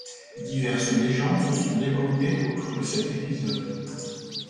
Diverses légendes se sont développées autour de cet épisode.